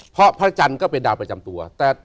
เพราะพระจันทร์ก็เป็นดาวประจำตัว